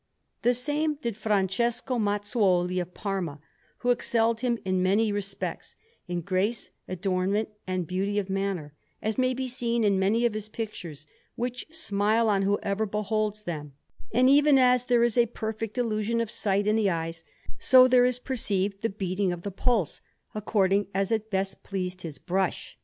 The same did Francesco Mazzuoli of Parma, who excelled him in many respects in grace, adornment, and beauty of manner, as may be seen in many of his pictures, which smile on whoever beholds them; and even as there is a perfect illusion of sight in the eyes, so there is perceived the beating of the pulse, according as it best pleased his brush.